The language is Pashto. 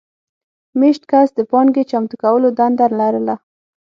مېشت کس د پانګې چمتو کولو دنده لرله.